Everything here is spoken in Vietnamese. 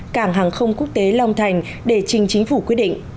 cảng hàng không quốc tế long thành để trình chính phủ quyết định